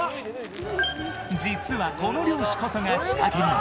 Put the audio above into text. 実はこの猟師こそが仕掛け人。